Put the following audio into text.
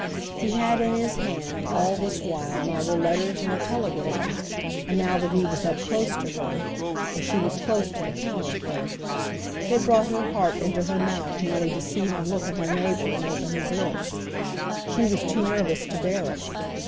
He had in his hand all this while neither letters nor telegrams, and now that he was close to her—for she was close to the counter clerk—it brought her heart into her mouth merely to see him look at her neighbour and open his lips. She was too nervous to bear it.